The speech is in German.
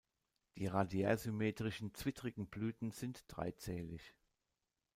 Die radiärsymmetrischen, zwittrigen Blüten sind dreizählig.